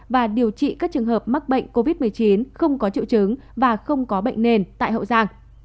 và điều trị các trường hợp mắc bệnh covid một mươi chín không có triệu chứng và không có bệnh nền tại hậu giang